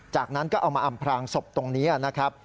จากนั้นก็เอามาอำพลางศพตรงนี้นะครับ